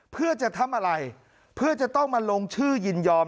เพื่อจะทำอะไรเพื่อจะต้องมาลงชื่อยินยอม